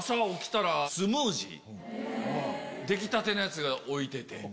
出来たてのやつが置いてて。